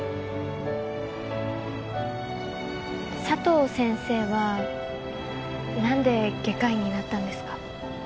佐藤先生はなんで外科医になったんですか？